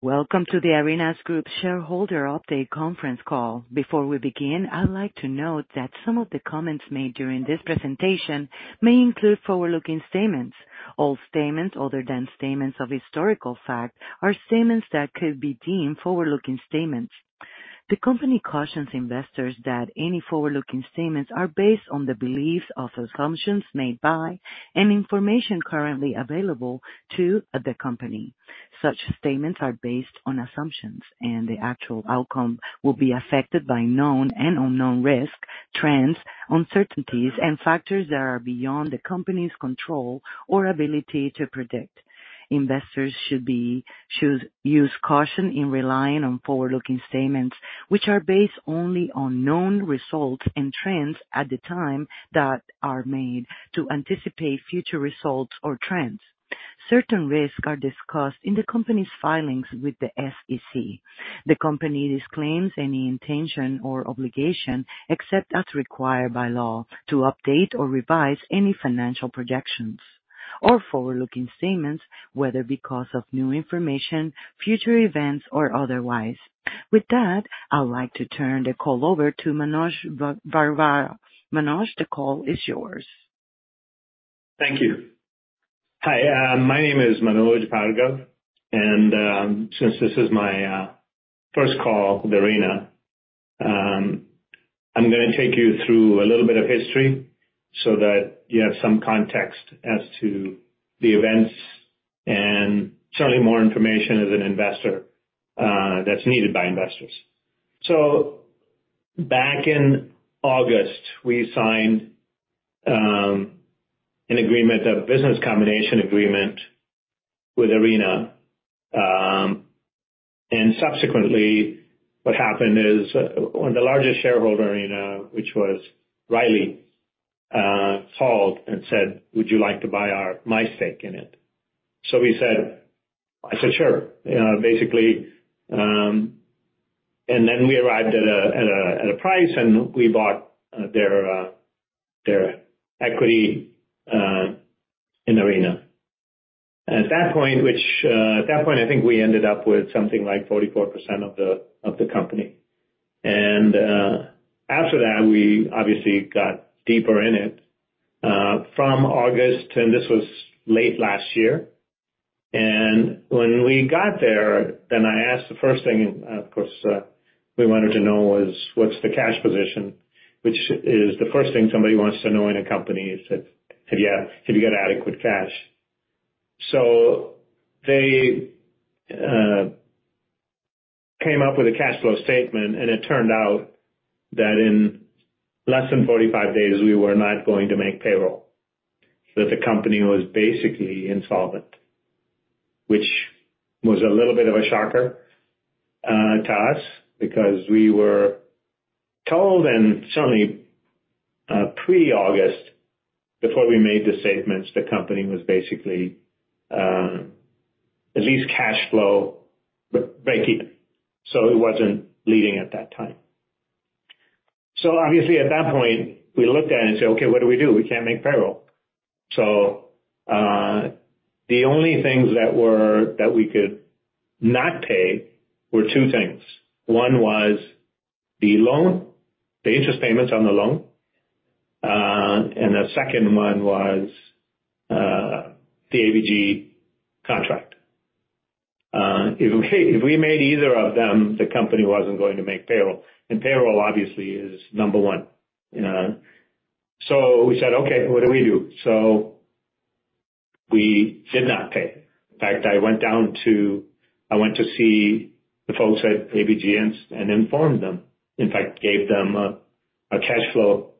Welcome to The Arena Group's Shareholder Update conference call. Before we begin, I'd like to note that some of the comments made during this presentation may include forward-looking statements. All statements other than statements of historical fact are statements that could be deemed forward-looking statements. The company cautions investors that any forward-looking statements are based on the beliefs or assumptions made by and information currently available to the company. Such statements are based on assumptions, and the actual outcome will be affected by known and unknown risks, trends, uncertainties, and factors that are beyond the company's control or ability to predict. Investors should use caution in relying on forward-looking statements which are based only on known results and trends at the time that are made to anticipate future results or trends. Certain risks are discussed in the company's filings with the SEC. The company disclaims any intention or obligation except as required by law to update or revise any financial projections, or forward-looking statements, whether because of new information, future events, or otherwise. With that, I'd like to turn the call over to Manoj Bhargava. Manoj, the call is yours. Thank you. Hi, my name is Manoj Bhargava, and since this is my first call to the Arena, I'm going to take you through a little bit of history so that you have some context as to the events and certainly more information as an investor that's needed by investors. So back in August, we signed an agreement, a business combination agreement, with Arena. And subsequently, what happened is the largest shareholder in Arena, which was Riley, called and said, "Would you like to buy my stake in it?" So I said, "Sure." And then we arrived at a price, and we bought their equity in Arena. And at that point, I think we ended up with something like 44% of the company. And after that, we obviously got deeper in it. From August, and this was late last year, and when we got there, then I asked the first thing of course, we wanted to know was, "What's the cash position?" which is the first thing somebody wants to know in a company is, "Have you got adequate cash?" So they came up with a cash flow statement, and it turned out that in less than 45 days, we were not going to make payroll, that the company was basically insolvent, which was a little bit of a shocker to us because we were told, and certainly pre-August, before we made the statements, the company was basically at least cash flow break-even. So it wasn't leading at that time. So obviously, at that point, we looked at it and said, "Okay, what do we do? We can't make payroll." So the only things that we could not pay were two things. One was the interest payments on the loan, and the second one was the ABG contract. If we made either of them, the company wasn't going to make payroll, and payroll obviously is number one. So we said, "Okay, what do we do?" So we did not pay. In fact, I went down to see the folks at ABG and informed them. In fact, gave them a cash flow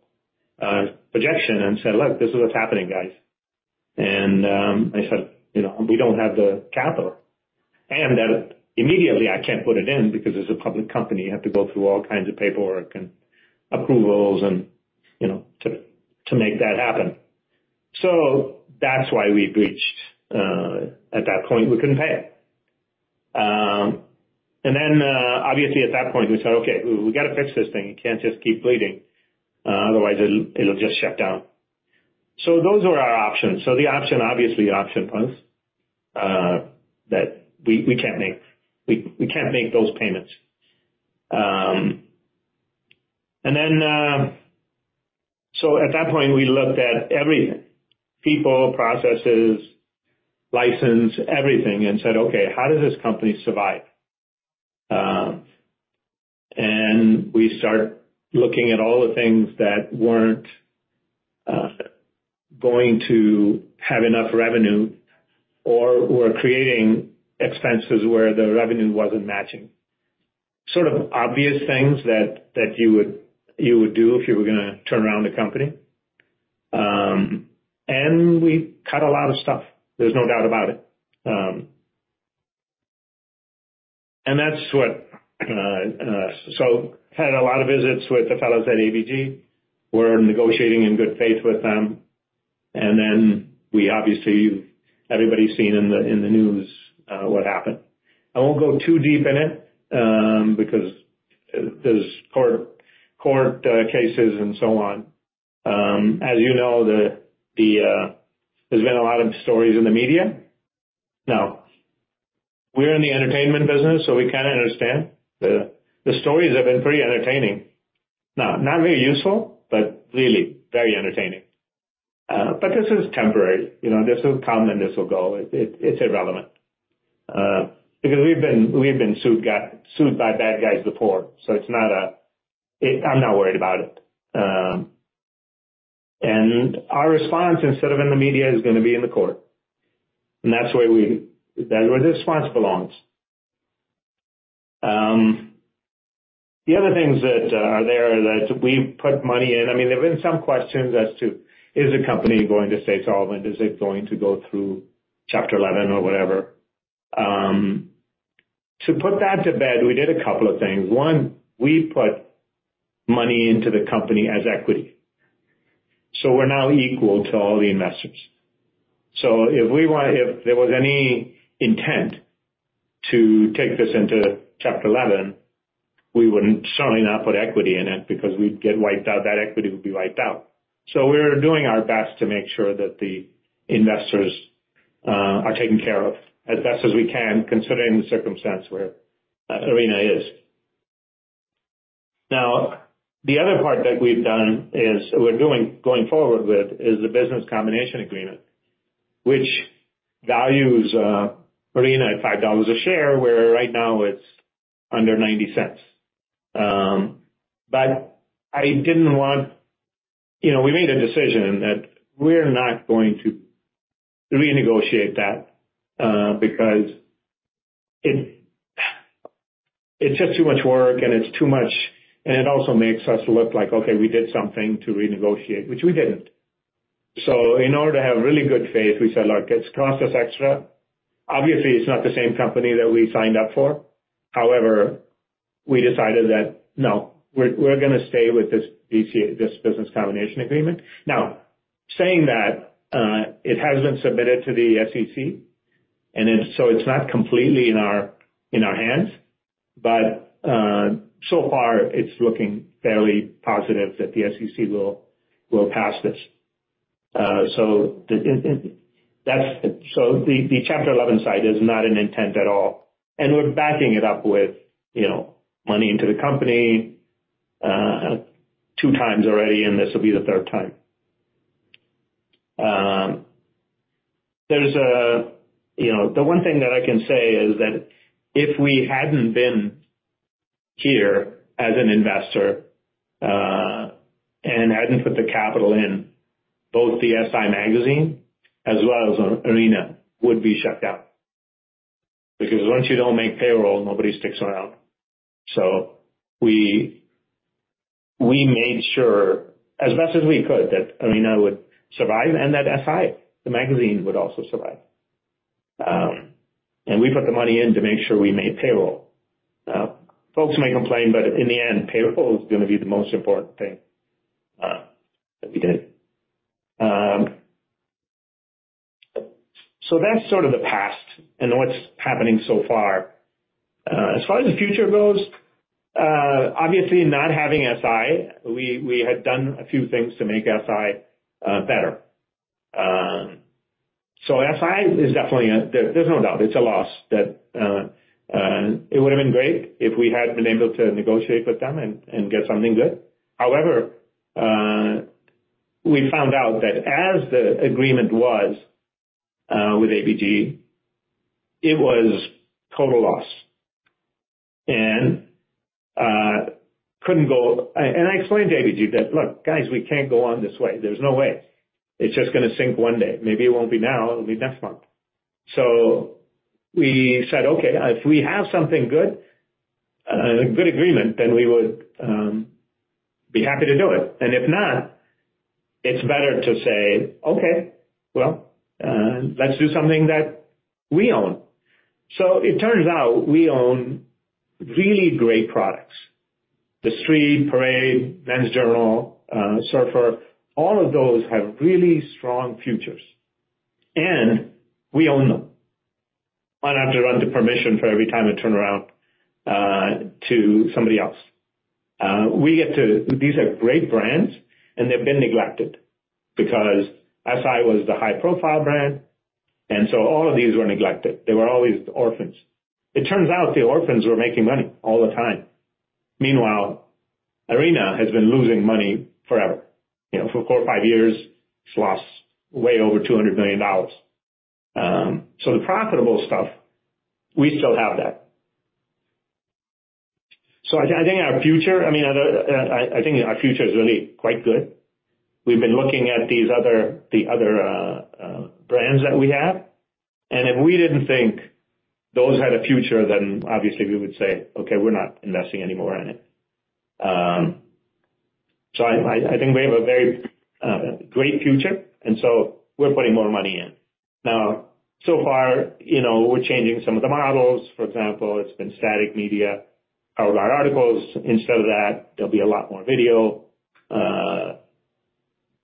projection and said, "Look, this is what's happening, guys." And I said, "We don't have the capital." And immediately, I can't put it in because it's a public company. You have to go through all kinds of paperwork and approvals to make that happen. So that's why we breached. At that point, we couldn't pay. And then obviously, at that point, we said, "Okay, we got to fix this thing. It can't just keep bleeding. Otherwise, it'll just shut down." Those were our options. The option, obviously, option plus that we can't make. We can't make those payments. At that point, we looked at everything: people, processes, license, everything, and said, "Okay, how does this company survive?" We start looking at all the things that weren't going to have enough revenue or were creating expenses where the revenue wasn't matching, sort of obvious things that you would do if you were going to turn around the company. We cut a lot of stuff. There's no doubt about it. That's what so had a lot of visits with the fellows at ABG. We're negotiating in good faith with them. Then, obviously, everybody's seen in the news what happened. I won't go too deep in it because there's court cases and so on. As you know, there's been a lot of stories in the media. Now, we're in the entertainment business, so we kind of understand. The stories have been pretty entertaining. Not very useful, but really very entertaining. This is temporary. This will come, and this will go. It's irrelevant because we've been sued by bad guys before, so it's not a I'm not worried about it. Our response, instead of in the media, is going to be in the court. That's where the response belongs. The other things that are there are that we've put money in. I mean, there have been some questions as to, "Is the company going to stay solvent? Is it going to go through Chapter 11 or whatever?" To put that to bed, we did a couple of things. One, we put money into the company as equity. So we're now equal to all the investors. So if there was any intent to take this into Chapter 11, we would certainly not put equity in it because we'd get wiped out. That equity would be wiped out. So we're doing our best to make sure that the investors are taken care of as best as we can, considering the circumstance where Arena is. Now, the other part that we've done is we're going forward with is the business combination agreement, which values Arena at $5 a share, where right now it's under $0.90. But I didn't want we made a decision that we're not going to renegotiate that because it's just too much work, and it's too much and it also makes us look like, "Okay, we did something to renegotiate," which we didn't. So in order to have really good faith, we said, "Look, it's cost us extra. Obviously, it's not the same company that we signed up for. However, we decided that, no, we're going to stay with this business combination agreement." Now, saying that, it has been submitted to the SEC, and so it's not completely in our hands. But so far, it's looking fairly positive that the SEC will pass this. So the Chapter 11 side is not an intent at all. And we're backing it up with money into the company two times already, and this will be the third time. The one thing that I can say is that if we hadn't been here as an investor and hadn't put the capital in, both the SI magazine as well as Arena would be shut down because once you don't make payroll, nobody sticks around. So we made sure, as best as we could, that Arena would survive and that SI, the magazine, would also survive. And we put the money in to make sure we made payroll. Folks may complain, but in the end, payroll is going to be the most important thing that we did. So that's sort of the past and what's happening so far. As far as the future goes, obviously, not having SI, we had done a few things to make SI better. So SI is definitely a there's no doubt. It's a loss that it would have been great if we had been able to negotiate with them and get something good. However, we found out that as the agreement was with ABG, it was total loss and couldn't go and I explained to ABG that, "Look, guys, we can't go on this way. There's no way. It's just going to sink one day. Maybe it won't be now. It'll be next month." So we said, "Okay, if we have something good, a good agreement, then we would be happy to do it. And if not, it's better to say, 'Okay, well, let's do something that we own.'" So it turns out we own really great products. TheStreet, Parade, Men's Journal, Surfer, all of those have really strong futures, and we own them. I don't have to run to permission for every time it turned around to somebody else. We get to. These are great brands, and they've been neglected because SI was the high-profile brand, and so all of these were neglected. They were always orphans. It turns out the orphans were making money all the time. Meanwhile, Arena has been losing money forever. For four or five years, it's lost way over $200 million. So the profitable stuff, we still have that. So I think our future I mean, I think our future is really quite good. We've been looking at the other brands that we have. And if we didn't think those had a future, then obviously, we would say, "Okay, we're not investing anymore in it." So I think we have a very great future, and so we're putting more money in. Now, so far, we're changing some of the models. For example, it's been static media, outline articles. Instead of that, there'll be a lot more video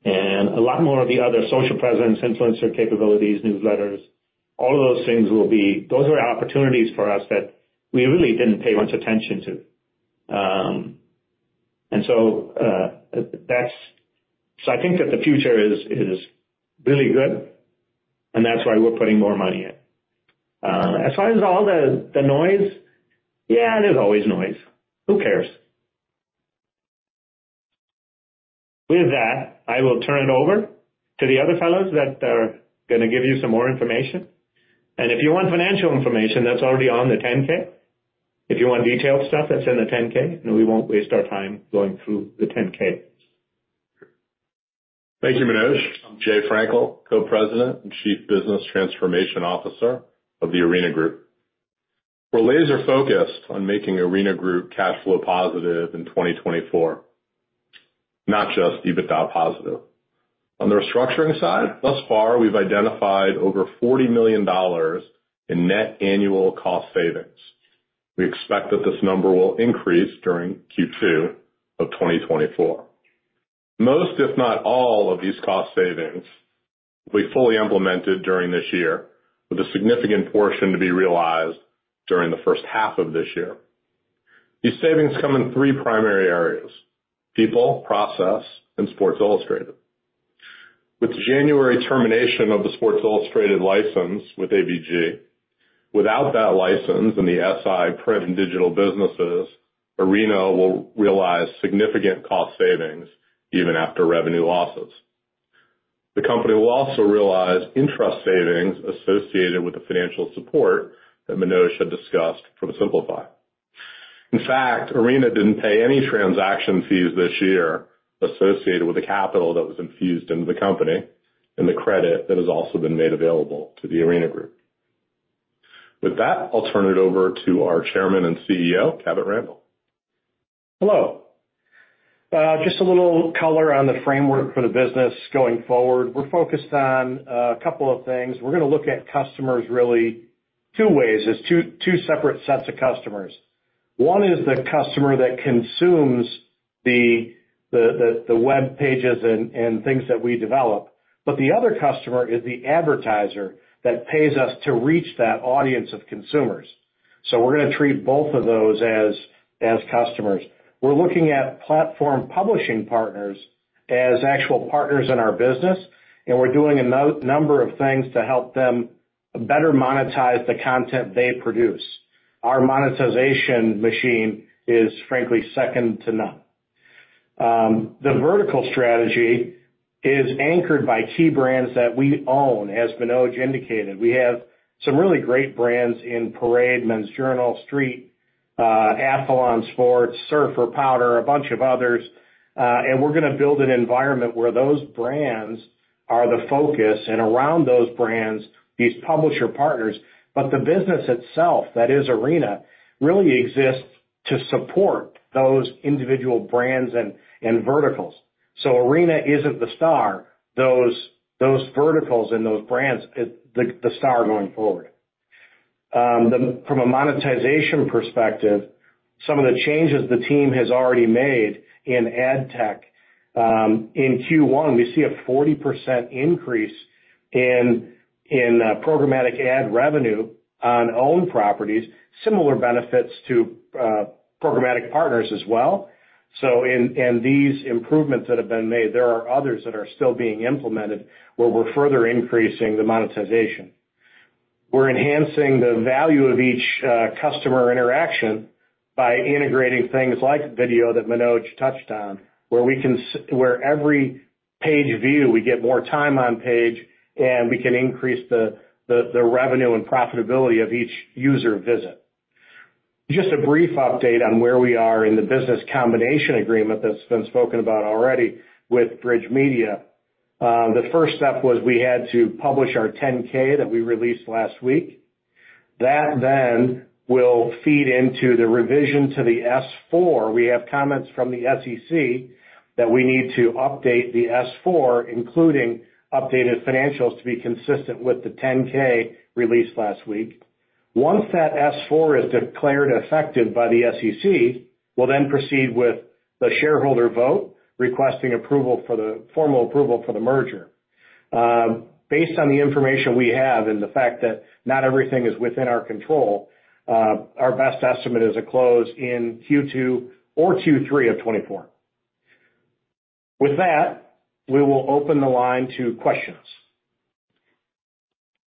and a lot more of the other social presence, influencer capabilities, newsletters. All of those things will be those are opportunities for us that we really didn't pay much attention to. And so I think that the future is really good, and that's why we're putting more money in. As far as all the noise, yeah, there's always noise. Who cares? With that, I will turn it over to the other fellows that are going to give you some more information. If you want financial information, that's already on the 10-K. If you want detailed stuff, that's in the 10-K, and we won't waste our time going through the 10-K. Thank you, Manoj. I'm Jason Frankl, Co-President and Chief Business Transformation Officer of The Arena Group. We're laser-focused on making Arena Group cash flow positive in 2024, not just EBITDA positive. On the restructuring side, thus far, we've identified over $40 million in net annual cost savings. We expect that this number will increase during Q2 of 2024. Most, if not all, of these cost savings will be fully implemented during this year, with a significant portion to be realized during the first half of this year. These savings come in three primary areas: people, process, and Sports Illustrated. With January termination of the Sports Illustrated license with ABG, without that license and the SI print and digital businesses, Arena will realize significant cost savings even after revenue losses. The company will also realize interest savings associated with the financial support that Manoj had discussed from Simplify. In fact, Arena didn't pay any transaction fees this year associated with the capital that was infused into the company and the credit that has also been made available to the Arena Group. With that, I'll turn it over to our Chairman and CEO, Cavitt Randall. Hello. Just a little color on the framework for the business going forward. We're focused on a couple of things. We're going to look at customers really two ways, as two separate sets of customers. One is the customer that consumes the web pages and things that we develop, but the other customer is the advertiser that pays us to reach that audience of consumers. So we're going to treat both of those as customers. We're looking at platform publishing partners as actual partners in our business, and we're doing a number of things to help them better monetize the content they produce. Our monetization machine is, frankly, second to none. The vertical strategy is anchored by key brands that we own, as Manoj indicated. We have some really great brands in Parade, Men's Journal, Street, Athlon Sports, Surfer, Powder, a bunch of others. We're going to build an environment where those brands are the focus, and around those brands, these publisher partners. But the business itself, that is Arena, really exists to support those individual brands and verticals. So Arena isn't the star. Those verticals and those brands is the star going forward. From a monetization perspective, some of the changes the team has already made in ad tech, in Q1, we see a 40% increase in programmatic ad revenue on own properties, similar benefits to programmatic partners as well. So in these improvements that have been made, there are others that are still being implemented where we're further increasing the monetization. We're enhancing the value of each customer interaction by integrating things like video that Manoj touched on, where every page view, we get more time on page, and we can increase the revenue and profitability of each user visit. Just a brief update on where we are in the business combination agreement that's been spoken about already with Bridge Media. The first step was we had to publish our 10-K that we released last week. That then will feed into the revision to the S-4. We have comments from the SEC that we need to update the S-4, including updated financials to be consistent with the 10-K released last week. Once that S-4 is declared effective by the SEC, we'll then proceed with the shareholder vote requesting formal approval for the merger. Based on the information we have and the fact that not everything is within our control, our best estimate is a close in Q2 or Q3 of 2024. With that, we will open the line to questions.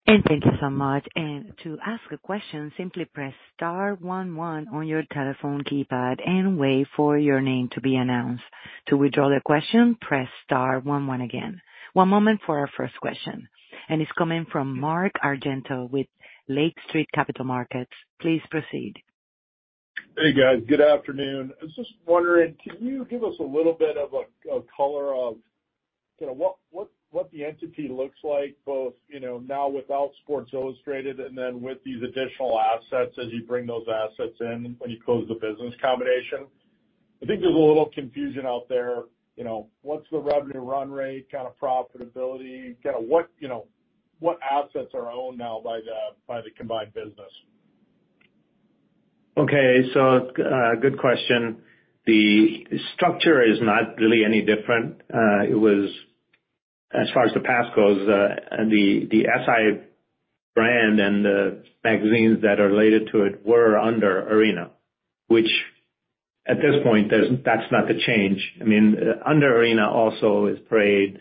Thank you so much. To ask a question, simply press star one one on your telephone keypad and wait for your name to be announced. To withdraw the question, press star one one again. One moment for our first question. It's coming from Mark Argento with Lake Street Capital Markets. Please proceed. Hey, guys. Good afternoon. I was just wondering, can you give us a little bit of a color of kind of what the entity looks like, both now without Sports Illustrated and then with these additional assets as you bring those assets in when you close the business combination? I think there's a little confusion out there. What's the revenue run rate, kind of profitability? Kind of what assets are owned now by the combined business? Okay. So good question. The structure is not really any different. As far as the past goes, the SI brand and the magazines that are related to it were under Arena, which at this point, that's not the change. I mean, under Arena also is Parade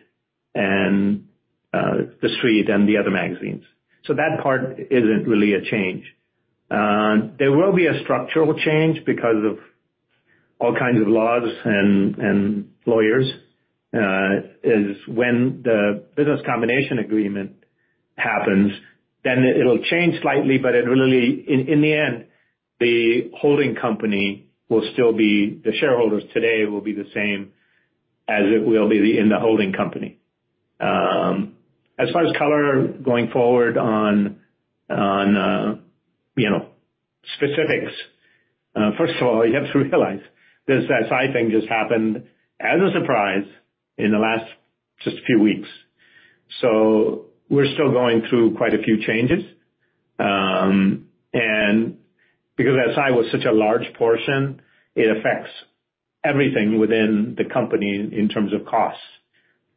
and TheStreet and the other magazines. So that part isn't really a change. There will be a structural change because of all kinds of laws and lawyers. When the business combination agreement happens, then it'll change slightly, but in the end, the holding company will still be the shareholders today will be the same as it will be in the holding company. As far as color going forward on specifics, first of all, you have to realize this SI thing just happened as a surprise in the last just a few weeks. So we're still going through quite a few changes. Because SI was such a large portion, it affects everything within the company in terms of costs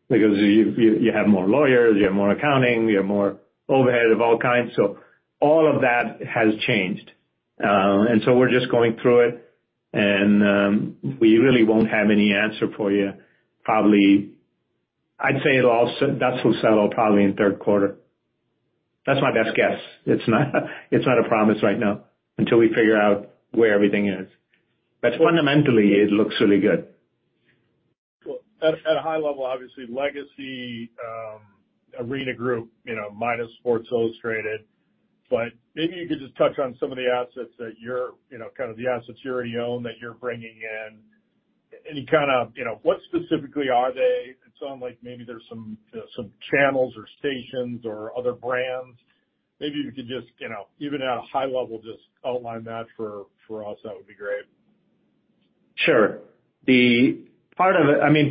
because you have more lawyers, you have more accounting, you have more overhead of all kinds. So all of that has changed. So we're just going through it, and we really won't have any answer for you. I'd say that's all settled probably in third quarter. That's my best guess. It's not a promise right now until we figure out where everything is. But fundamentally, it looks really good. Well, at a high level, obviously, legacy Arena Group minus Sports Illustrated. But maybe you could just touch on some of the assets that you're kind of the assets you already own that you're bringing in. Any kind of what specifically are they? It sounds like maybe there's some channels or stations or other brands. Maybe you could just even at a high level, just outline that for us. That would be great. Sure. I mean,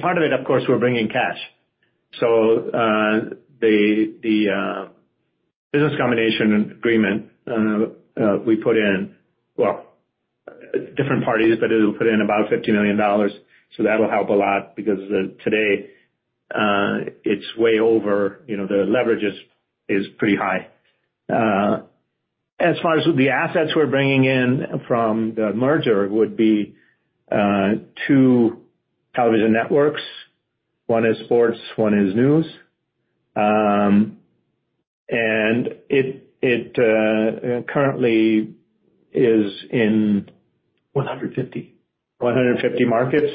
part of it, of course, we're bringing cash. So the business combination agreement we put in well, different parties, but it'll put in about $50 million. So that'll help a lot because today, it's way over. The leverage is pretty high. As far as the assets we're bringing in from the merger would be two television networks. One is sports. One is news. And it currently is in. 150. 150 markets.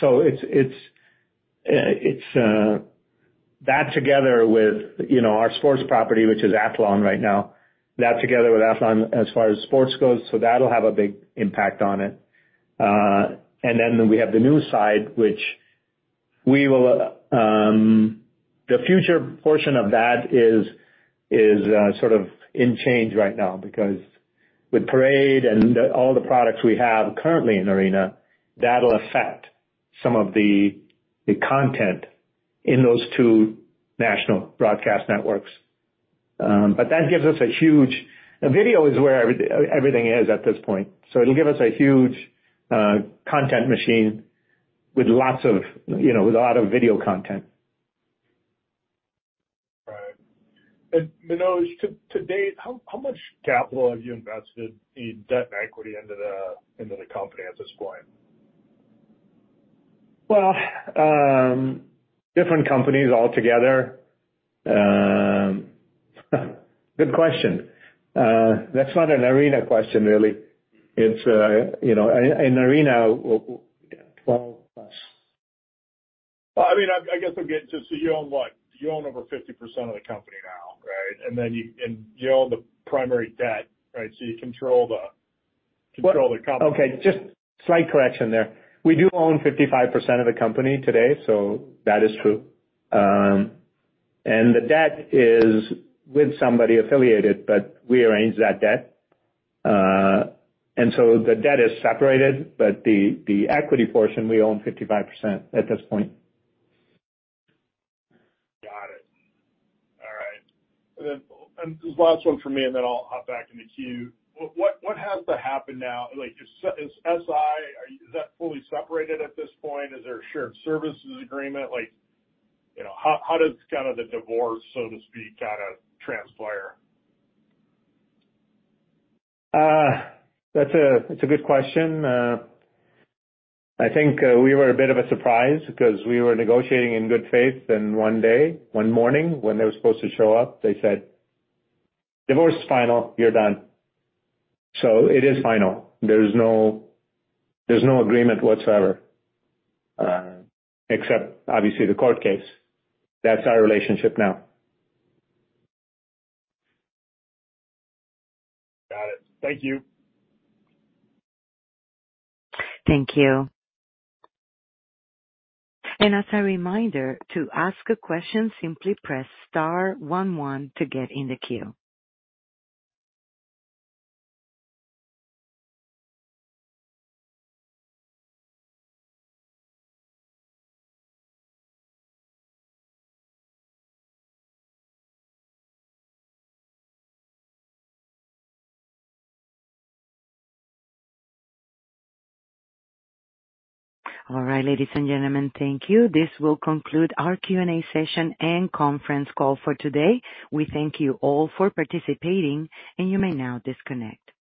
So that together with our sports property, which is Athlon right now, as far as sports goes, that'll have a big impact on it. Then we have the news side, which the future portion of that is sort of in change right now because with Parade and all the products we have currently in Arena, that'll affect some of the content in those two national broadcast networks. But that gives us a huge video is where everything is at this point. So it'll give us a huge content machine with a lot of video content. Right. Manoj, to date, how much capital have you invested in debt and equity into the company at this point? Well, different companies altogether. Good question. That's not an Arena question, really. In Arena, 12+. Well, I mean, I guess I'm getting just so you own what? You own over 50% of the company now, right? And you own the primary debt, right? So you control the company. Okay. Just slight correction there. We do own 55% of the company today, so that is true. The debt is with somebody affiliated, but we arrange that debt. So the debt is separated, but the equity portion, we own 55% at this point. Got it. All right. And this last one for me, and then I'll hop back into queue. What has to happen now? Is SI is that fully separated at this point? Is there a shared services agreement? How does kind of the divorce, so to speak, kind of transpire? That's a good question. I think we were a bit of a surprise because we were negotiating in good faith, and one day, one morning when they were supposed to show up, they said, "Divorce is final. You're done." So it is final. There's no agreement whatsoever except, obviously, the court case. That's our relationship now. Got it. Thank you. Thank you. As a reminder, to ask a question, simply press star one one to get in the queue. All right, ladies and gentlemen, thank you. This will conclude our Q&A session and conference call for today. We thank you all for participating, and you may now disconnect.